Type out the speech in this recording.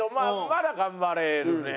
まだ頑張れるね。